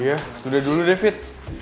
iya itu udah dulu deh fit